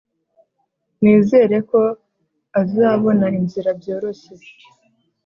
Nizere ko azabona inzira byoroshye